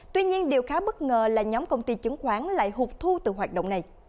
tuy nhiên điều khá bất ngờ là nhóm công ty chứng khoán lại hụt thu từ hoạt động này